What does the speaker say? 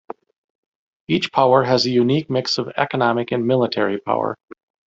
Each power has a unique mix of economic and military power.